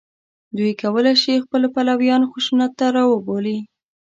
دوی کولای شي خپل پلویان خشونت ته راوبولي